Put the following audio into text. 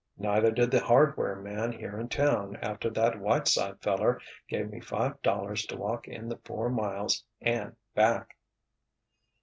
"Neither did the hardware man here in town after that Whiteside feller gave me five dollars to walk in the four miles and—back!"